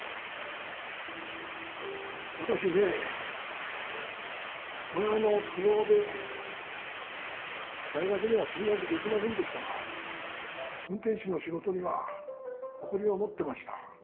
私ね親の都合で大学には進学できませんでしたが運転士の仕事には誇りを持ってました。